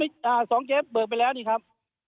อ๋อทรวงเจ๊บ่เผิกไปแล้วครับ